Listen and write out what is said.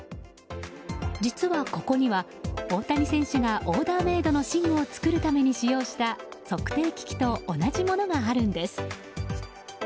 実は、ここには大谷選手がオーダーメードの寝具を作るために使用した測定機器と同じものがあるんです。